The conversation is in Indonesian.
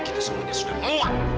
kita semuanya sudah muak